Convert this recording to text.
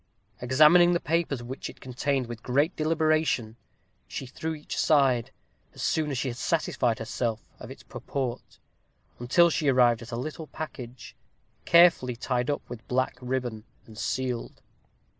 Examining the papers which it contained with great deliberation, she threw each aside, as soon as she had satisfied herself of its purport, until she arrived at a little package, carefully tied up with black ribbon, and sealed.